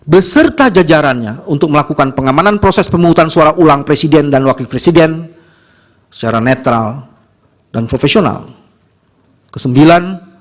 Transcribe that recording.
beserta jajarannya untuk melakukan pengamanan proses pemungutan suara ulang presiden dan wakil presiden